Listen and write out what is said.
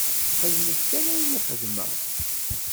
Xedmet kan ayen i xedmeɣ!